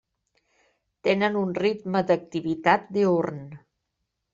Tenen un ritme d'activitat diürn.